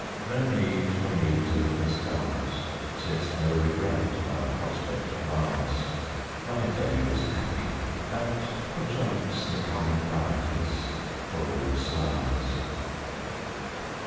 No need for me to look askance, Since no regret my prospect mars. My day was happy and perchance The coming night is full of stars.